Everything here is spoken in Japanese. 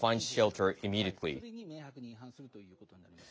それに明白に違反するということになります。